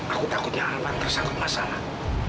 aku takutnya akan tersangkut masalah